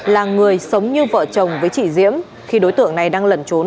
là người sống như vợ chồng với chị diễm khi đối tượng này đang lẩn trốn